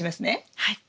はい。